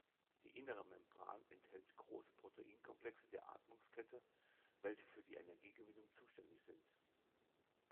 Die innere Membran enthält große Proteinkomplexe der Atmungskette, welche für die Energiegewinnung zuständig sind.